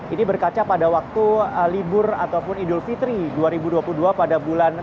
ini berkaca pada waktu libur ataupun idul fitri dua ribu dua puluh dua pada bulan